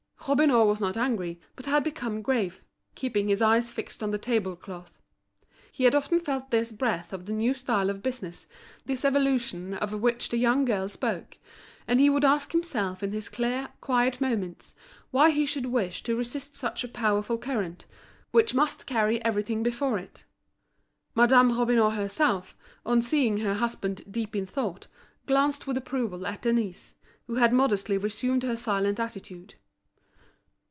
Robineau was not angry, but had become grave, keeping his eyes fixed on the table cloth. He had often felt this breath of the new style of business, this evolution of which the young girl spoke; and he would ask himself in his clear, quiet moments, why he should wish to resist such a powerful current, which must carry everything before it. Madame Robineau herself, on seeing her husband deep in thought, glanced with approval at Denise, who had modestly resumed her silent attitude.